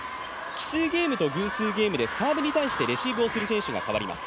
奇数ゲームと、偶数ゲームでサーブに対してレシーブをする選手が替わります。